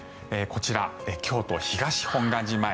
こちら、京都・東本願寺前。